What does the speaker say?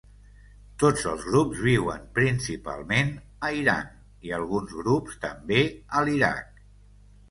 Tots els grups viuen principalment a Iran, i alguns grups també a l'Iraq.